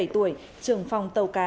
năm mươi bảy tuổi trưởng phòng tàu cá